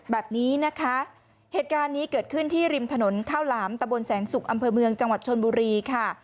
แบบนี้นะคะเหตุการณ์นี้เกิดขึ้นที่ริมถนนข้าวหลามตะบนแสงสุกอำเภอเมืองจังหวัดชนบุรีค่ะ